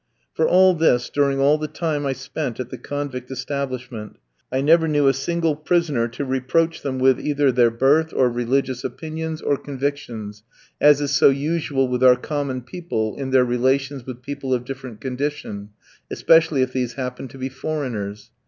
For all this, during all the time I spent at the convict establishment, I never knew a single prisoner to reproach them with either their birth, or religious opinions, or convictions, as is so usual with our common people in their relations with people of different condition, especially if these happen to be foreigners.